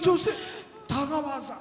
田川さん